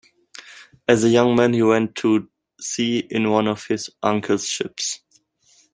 As a young man he went to sea in one of his uncle's ships.